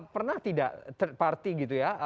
pernah tidak third party gitu ya